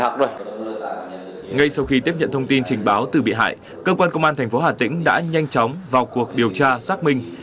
trước khi được tình báo từ bị hại cơ quan công an tp hà tĩnh đã nhanh chóng vào cuộc điều tra xác minh